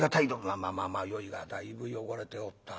「まあまあまあまあよいがだいぶ汚れておった。